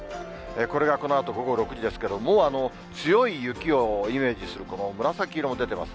これがこのあと午後６時ですけど、もう強い雪をイメージする、この紫色も出てます。